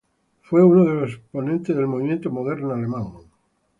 Fue uno de los exponentes del Movimiento Moderno alemán.